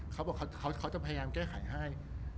เขาจะพยายามแก้ไขให้